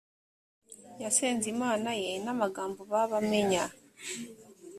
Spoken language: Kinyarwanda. yasenze imana ye n amagambo ba bamenya